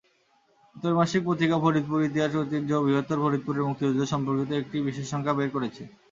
ত্রৈমাসিক পত্রিকা ফরিদপুর ইতিহাস ঐতিহ্য বৃহত্তর ফরিদপুরের মুক্তিযুদ্ধ–সম্পর্কিত একটি বিশেষ সংখ্যা বের করেছে।